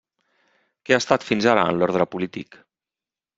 Què ha estat fins ara en l'ordre polític?